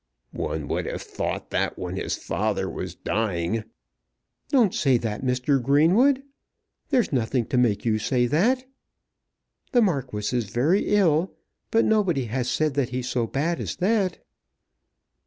"One would have thought that when his father was dying " "Don't say that, Mr. Greenwood. There's nothing to make you say that. The Marquis is very ill, but nobody has said that he's so bad as that."